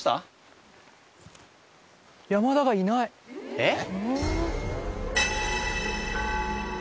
えっ！？